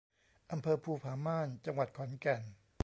อำเภอภูผาม่าน จังหวัดขอนแก่น